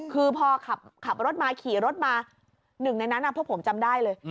คือพอขับรถมาขี่รถมาหนึ่งในนั้นพวกผมจำได้เลย